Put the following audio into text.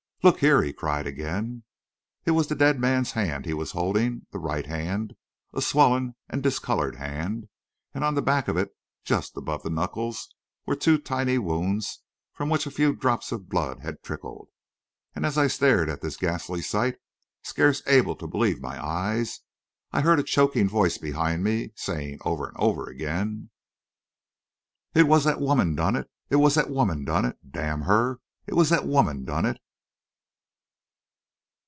"Look here!" he cried again. It was the dead man's hand he was holding; the right hand; a swollen and discoloured hand. And on the back of it, just above the knuckles, were two tiny wounds, from which a few drops of blood had trickled. And as I stared at this ghastly sight, scarce able to believe my eyes, I heard a choking voice behind me, saying over and over again: "It was that woman done it! It was that woman done it! Damn her! It was that woman done it!"